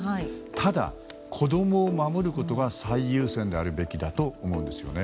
ただ、子供を守ることが最優先であるべきだと思うんです。